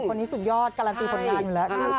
คนนี้สุดยอดการันตีคนงานอยู่แล้ว